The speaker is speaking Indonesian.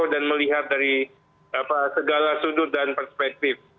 melihat dari segala sudut dan perspektif